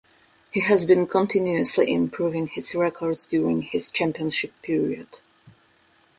He has been continuously improving his records during his championship period.